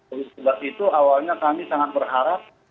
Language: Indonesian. oleh sebab itu awalnya kami sangat berharap